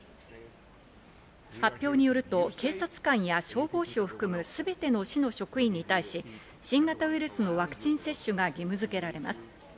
発表によると、警察官や消防士を含むすべての市の職員に対し、新型ウイルスのワクチン接種が義務づけられます。